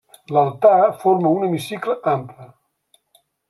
L'altar forma un hemicicle ample.